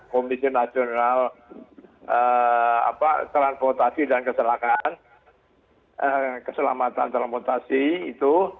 komisi nasional transportasi dan kecelakaan keselamatan transportasi itu